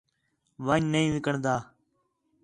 ون٘ڄ نہیں وِکݨدا